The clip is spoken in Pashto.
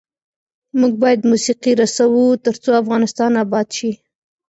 موږ باید موسیقي رسوو ، ترڅو افغانستان اباد شي.